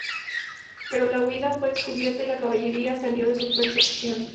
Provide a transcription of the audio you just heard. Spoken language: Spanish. Pero la huida fue descubierta y la caballería salió en su persecución.